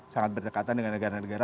sangat berdekatan dengan negara negara